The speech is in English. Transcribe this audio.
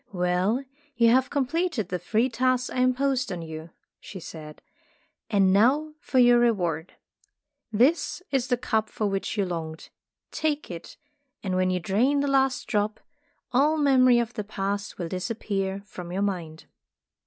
"Well, you have completed the three tasks I imposed on you," she said, "and now for your reward. This is the cup for which you longed. Take it, and when you drain the last drop, all memory of the entire Past will disappear from your mind."